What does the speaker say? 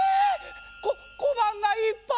ここばんがいっぱい！